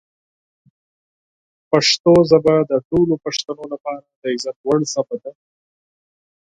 پښتو ژبه د ټولو پښتنو لپاره د عزت وړ ژبه ده.